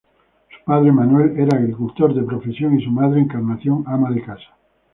Su padre, Manuel, era agricultor de profesión, y su madre, Encarnación, ama de casa.